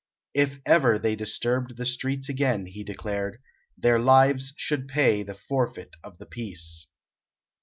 If ever they disturbed the streets again, he declared, their lives should pay the forfeit of the peace.